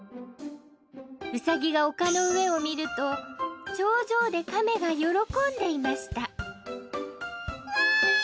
うさぎが丘の上を見ると頂上でかめが喜んでいましたわい！